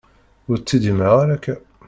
Ur ttiddimeɣ ara akka.